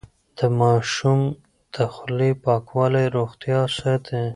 د ماشوم د خولې پاکوالی روغتيا ساتي.